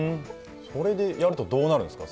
これでやるとどうなるんですか？